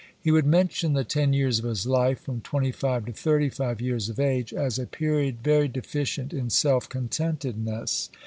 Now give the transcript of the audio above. He would mention the ten years of his life, from twenty five to thirty five years of age, as a period very deficient in self contentedness.